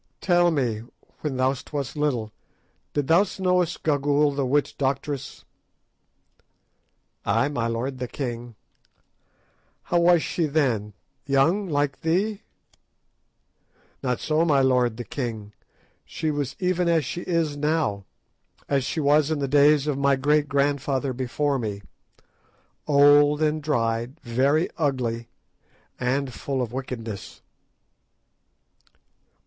"Tell me, when thou wast little, didst thou know Gagaoola the witch doctress?" "Ay, my lord the king!" "How was she then—young, like thee?" "Not so, my lord the king! She was even as she is now and as she was in the days of my great grandfather before me; old and dried, very ugly, and full of wickedness."